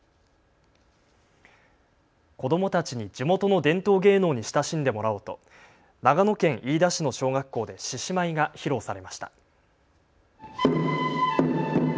子どもたちに地元の伝統芸能に親しんでもらおうと長野県飯田市の小学校で獅子舞が披露されました。